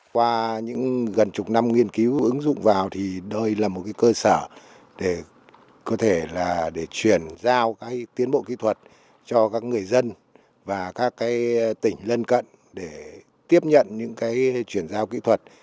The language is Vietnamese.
qua những gần chục năm nghiên cứu ứng dụng vào thì đây là một cơ sở để có thể là để chuyển giao tiến bộ kỹ thuật cho các người dân và các tỉnh lân cận để tiếp nhận những cái chuyển giao kỹ thuật